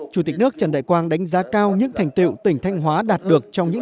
chủ tịch nước trần đại quang đánh giá cao những thành tiệu tỉnh thanh hóa đạt được trong những